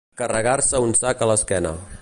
Carregar-se un sac a l'esquena.